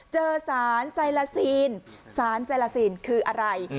เจอสารไซลาซีนสารไซลาซีนคืออะไร